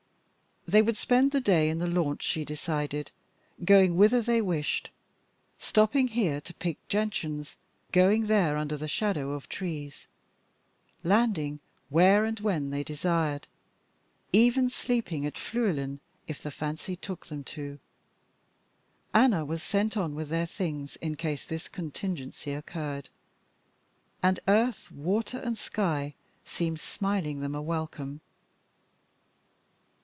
They would spend the day in the launch, she decided, going whither they wished, stopping here to pick gentians, going there under the shadow of trees landing where and when they desired even sleeping at Flüclen if the fancy took them to. Anna was sent on with their things in case this contingency occurred. And earth, water and sky seemed smiling them a welcome.